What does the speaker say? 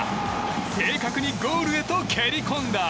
正確にゴールへと蹴り込んだ！